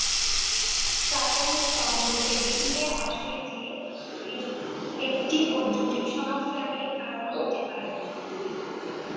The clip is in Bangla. প্রাথমিক তদন্তে বেরিয়ে আসে যে একটি বৈদ্যুতিক সমস্যা এর কারণ হতে পারে।